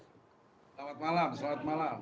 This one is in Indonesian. selamat malam selamat malam